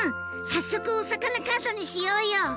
早速おさかなカードにしようよ。